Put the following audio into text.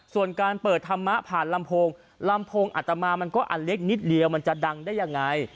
ส่วนการเปิดธรรมะผ่านลำโพงลำโพงอัตมามันก็อันเล็กนิดเดียวมันจะดังได้ยังไง